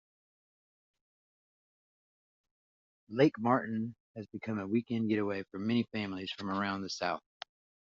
Lake Martin has become a weekend getaway for many families from around the South.